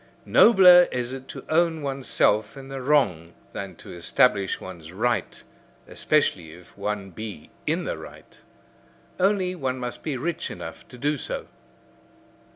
Nobler is it to own oneself in the wrong than to establish one's right, especially if one be in the right. Only, one must be rich enough to do so.